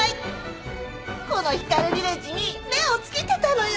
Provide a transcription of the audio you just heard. このヒカルヴィレッジに目を付けてたのよ。